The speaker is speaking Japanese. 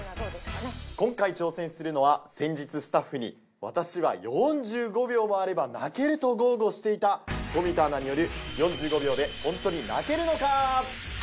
今回挑戦するのは先日スタッフに私は４５秒もあれば泣けると豪語していた冨田アナによる。